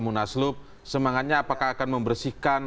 munaslup semangatnya apakah akan membersihkan